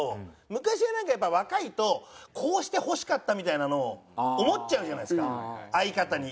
昔はなんかやっぱ若いとこうしてほしかったみたいなのを思っちゃうじゃないですか相方に。